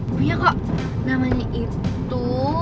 punya kok namanya itu